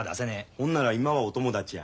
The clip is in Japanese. ほんなら今はお友達や。